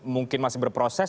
mungkin masih berproses